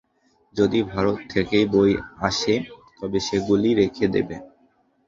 যদি ভারত থেকে বই আসে, তবে সেগুলি রেখে দেবে।